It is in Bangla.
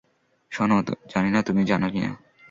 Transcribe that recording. শোনো, জানি না তুমি জানো কিনা।